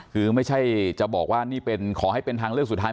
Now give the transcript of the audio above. คือไม่ใช่จะบอกว่านี่เป็นขอให้เป็นทางเลือกสุดท้าย